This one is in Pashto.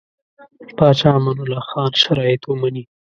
پاچا امان الله خان شرایط ومني.